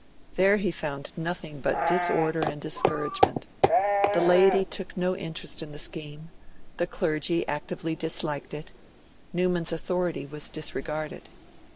There he found nothing but disorder and discouragement. The laity took no interest in the scheme; the clergy actively disliked it; Newman's authority was disregarded.